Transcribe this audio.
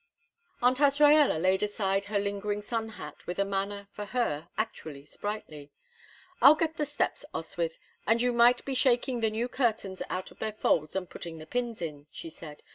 Aunt Azraella laid aside her lingering sun hat with a manner for her actually sprightly. "I'll get the steps, Oswyth, and you might be shaking the new curtains out of their folds and putting the pins in," she said.